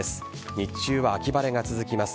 日中は秋晴れが続きます。